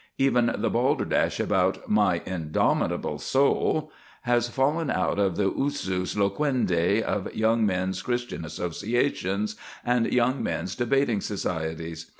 Even the balderdash about "my indomitable soul" has fallen out of the usus loquendi of young men's Christian associations and young men's debating societies.